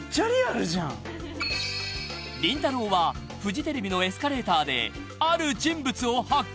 ［りんたろー。はフジテレビのエスカレーターで］